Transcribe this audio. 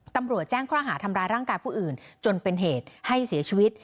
ตำรวจแจ้งข้อหาทำร้ายร่างกายผู้อื่นจนเป็นเหตุให้เสียชีวิต